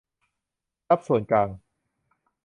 ทรัพย์ส่วนกลาง